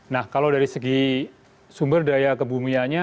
nah kalau dari segi sumber daya kebumianya